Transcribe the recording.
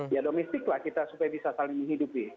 ya domestik lah kita supaya bisa saling menghidupi